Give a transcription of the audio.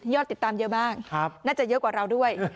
ติดตามเยอะมากน่าจะเยอะกว่าเราด้วย